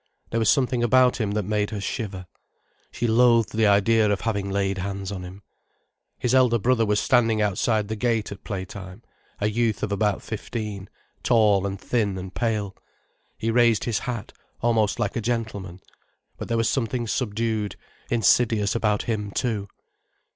There was something about him that made her shiver. She loathed the idea of having laid hands on him. His elder brother was standing outside the gate at playtime, a youth of about fifteen, tall and thin and pale. He raised his hat, almost like a gentleman. But there was something subdued, insidious about him too.